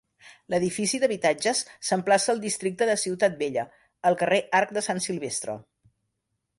L'edifici d'habitatges s'emplaça al districte de Ciutat Vella, al carrer Arc de Sant Silvestre.